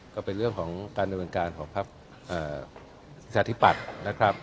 ก็เป็นเรื่องของการบริษัทธิปัตย์นะครับ